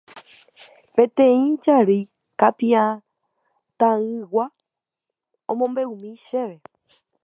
Peteĩ jarýi Kapi'atãygua omombe'úmi chéve